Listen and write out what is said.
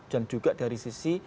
dan juga dari sisi